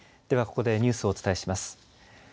ではここでニュースをお伝えします。